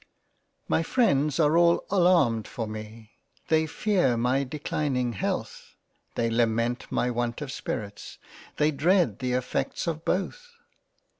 My Freinds are all alarmed for me ; They fear my declining health ; they lament my want of spirits ; they dread the effects of both.